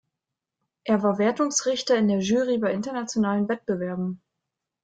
Er war Wertungsrichter in der Jury bei internationalen Wettbewerben.